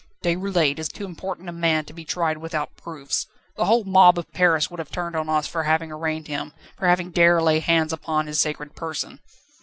"Déroulède is too important a man to be tried without proofs. The whole mob of Paris would have turned on us for having arraigned him, for having dared lay hands upon his sacred person."